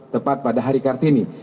tepat pada hari kartini